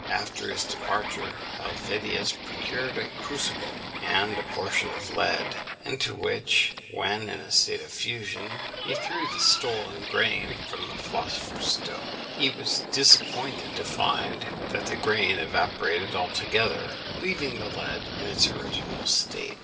After his departure, Helvetius procured a crucible and a portion of lead, into which, when in a state of fusion, he threw the stolen grain from the philosopher's stone. He was disappointed to find that the grain evaporated altogether, leaving the lead in its original state.